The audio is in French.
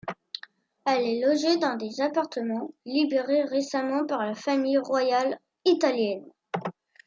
Elle est logée dans des appartements libérés récemment par la famille royale italienne.